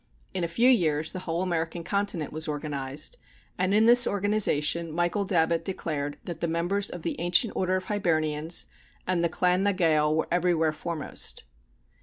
In a few years the whole American continent was organized, and in this organization Michael Davitt declared that the members of the Ancient Order of Hibernians and the Clan na Gael were everywhere foremost.